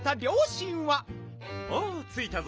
おついたぞ。